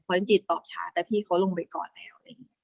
เพราะฉะนั้นจิตตอบช้าแต่พี่เขาลงไปก่อนแล้ว